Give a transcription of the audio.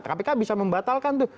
kpk bisa membatalkan tuh